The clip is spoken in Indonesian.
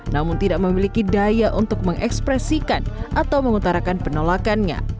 namun tidak memiliki daya untuk mengekspresikan atau mengutarakan penolakannya